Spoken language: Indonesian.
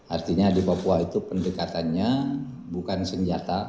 artinya di papua itu pendekatannya bukan senjata